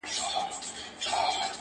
هغې نجلۍ ته مور منګی نه ورکوینه!!..